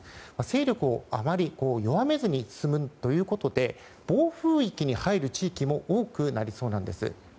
勢力をあまり弱めずに進むということで暴風域に入る地域も多くなりそうなんです。